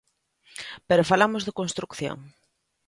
Pero falamos de construción.